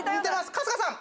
春日さん。